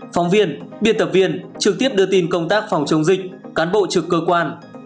phóng viên biên tập viên trực tiếp đưa tin công tác phòng chống dịch cán bộ trực cơ quan